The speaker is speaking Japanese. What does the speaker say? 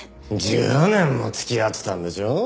１０年も付き合ってたんでしょ？